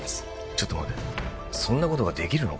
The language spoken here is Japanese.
ちょっと待てそんなことができるのか？